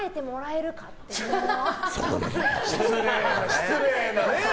失礼なね。